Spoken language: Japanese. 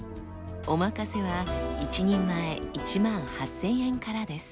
おまかせは１人前１万８，０００円からです。